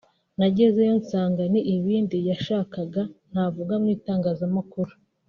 nagezeyo nsanga ni ibindi yashakaga ntavuga mu itangazamakuru